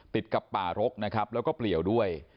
ติดกับป่ารกนะครับแล้วก็เปลี่ยวด้วย